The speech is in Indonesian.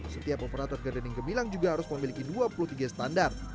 setiap operator gardening gemilang juga harus memiliki dua puluh tiga standar